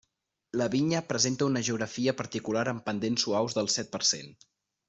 La vinya presenta una geografia particular amb pendents suaus del set per cent.